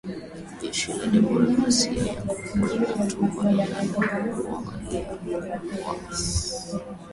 Jeshi la Demokrasia ya Kongo linaishutumu Rwanda kwa kuunga mkono waasi